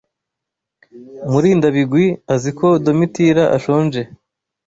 Murindabigwi azi ko Domitira ashonje.